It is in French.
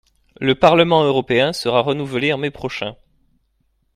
Le parlement européen sera renouvelé en mai prochain.